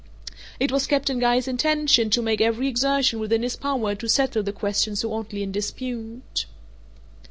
It was Captain Guy's intention to make every exertion within his power to settle the question so oddly in dispute.